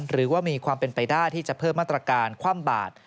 หรือว่ามีความเป็นไปได้ที่จะเพิ่มมาตรการคว่ำบาด